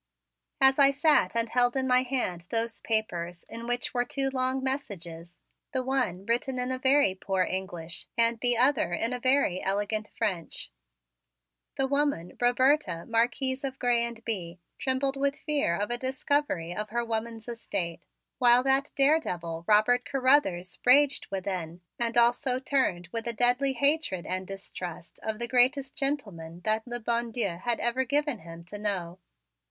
As I sat and held in my hand those papers in which were two long messages, the one written in a very poor English and the other in a very elegant French, the woman Roberta, Marquise of Grez and Bye, trembled with fear of a discovery of her woman's estate while that daredevil Robert Carruthers raged within and also turned with a deadly hatred and distrust of the greatest gentleman that le bon Dieu had ever given to him to know.